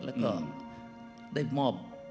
แล้วก็ได้มอบ